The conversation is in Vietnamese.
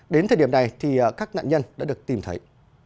đến thời điểm này thì các nạn nhân đã được tìm thấy